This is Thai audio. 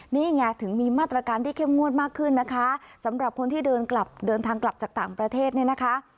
นี่ไงถึงมีมาตรการที่เข้มงวดมากขึ้นนะคะสำหรับคนที่เดินกลับเดินทางกลับจากต่างประเทศเนี่ยนะคะ